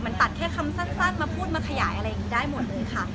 มันตัดแค่คำสั้นมาพูดมาขยายอะไรอย่างนี้ได้หมดเลยค่ะ